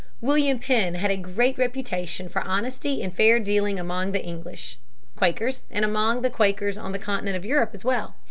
William Penn had a great reputation for honesty and fair dealing among the English Quakers and among the Quakers on the continent of Europe as well.